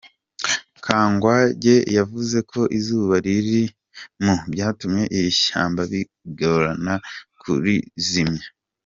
Kangwagye yavuze ko izuba riri mu byatumye iri shyamba bigorana kurizimya.